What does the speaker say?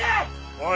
おい。